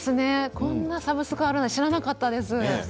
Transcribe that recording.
こんなサブスクがあるのは知らなかったです。